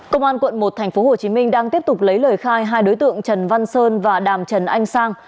công an quận một tp hcm đang tiếp tục lấy lời khai hai đối tượng trần văn sơn và đàm trần anh sang